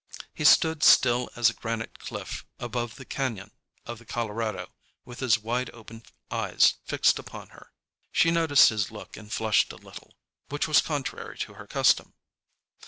He stood still as a granite cliff above the cañon of the Colorado, with his wide open eyes fixed upon her. She noticed his look and flushed a little, which was contrary to her custom.